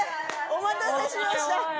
お待たせしました。